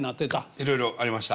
いろいろありました。